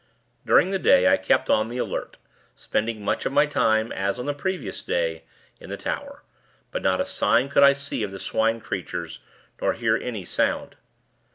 During the day, I kept on the alert; spending much of my time, as on the previous day, in the tower; but not a sign could I see of the Swine creatures, nor hear any sound.